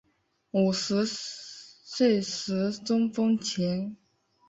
五十岁时中风前